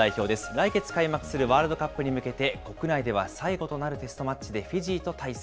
来月開幕するワールドカップに向けて、国内では最後となるテストマッチで、フィジーと対戦。